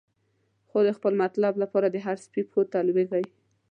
خو د خپل مطلب لپاره، د هر سپی پښو ته لویږی